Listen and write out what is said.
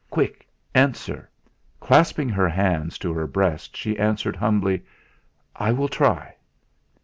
Quick! Answer!" Clasping her hands to her breast, she answered humbly: "I will try."